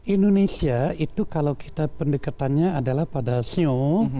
indonesia itu kalau kita pendekatannya adalah pada sio